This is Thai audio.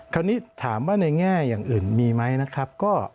คราวนี้ถามว่าในแง่อย่างอื่นมีไหมนะครับ